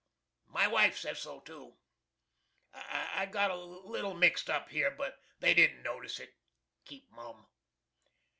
My wife says so too. [I got a little mixed up here, but they didn't notice it. Keep mum.